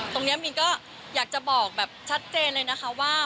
มินก็อยากจะบอกแบบชัดเจนเลยนะคะว่า